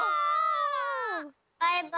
バイバイ。